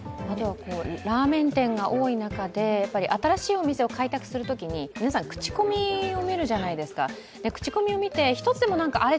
らーめん店が多い中で新しいお店を開拓するときに、皆さん口コミを見て一つでもあれ？